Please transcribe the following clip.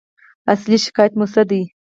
اصلي شکایت مو څه دی؟